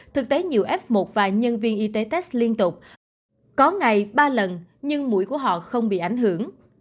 thực tế nhiều f một và nhân viên y tế test liên tục có ngày ba lần nhưng mũi của họ không bị ảnh hưởng